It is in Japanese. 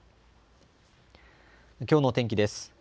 きょうの天気です。